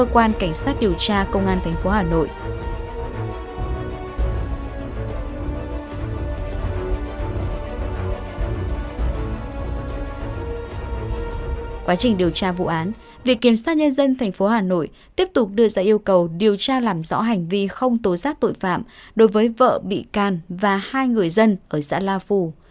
quá trình điều tra vụ án việc kiểm soát nhân dân tp hà nội tiếp tục đưa ra yêu cầu điều tra làm rõ hành vi không tố giác tội phạm đối với vợ bị can và hai người dân ở xã la phù